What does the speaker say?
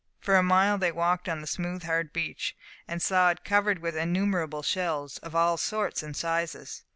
For a mile they walked on the smooth hard beach, and saw it covered with innumerable shells, of all sorts and sizes.